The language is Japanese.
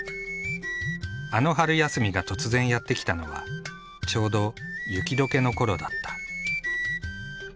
あの春休みが突然やって来たのはちょうど雪どけのころだった。